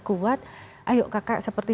kuat ayo kakak seperti